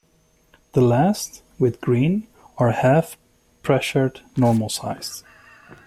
The last, with green, are half pressured normal sized.